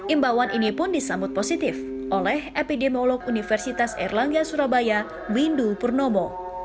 imbauan ini pun disambut positif oleh epidemiolog universitas erlangga surabaya windu purnomo